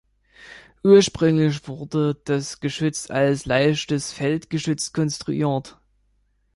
Ursprünglich wurde das Geschütz als leichtes Feldgeschütz konstruiert.